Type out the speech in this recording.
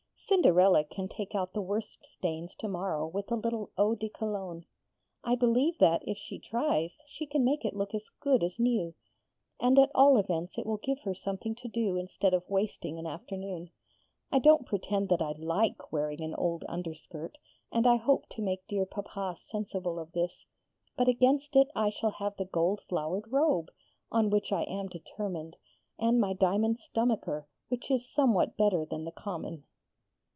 'Cinderella can take out the worst stains to morrow with a little eau de Cologne. I believe that, if she tries, she can make it look as good as new; and, at all events, it will give her something to do instead of wasting an afternoon. I don't pretend that I like wearing an old underskirt, and I hope to make dear Papa sensible of this; but against it I shall have the gold flowered robe, on which I am determined, and my diamond stomacher, which is somewhat better than the common.'